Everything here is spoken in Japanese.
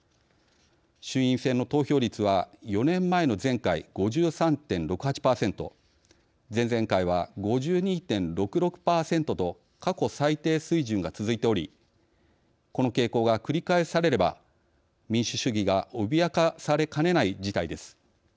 衆院選の投票率は４年前の前回５３．６８％前々回は５２．６６％と過去最低水準が続いておりこの傾向が繰り返されれば民主主義が脅かされかねない事態です。